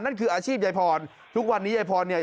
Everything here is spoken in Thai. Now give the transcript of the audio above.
นั่นคืออาชีพยายพรทุกวันนี้ยายพรเนี่ย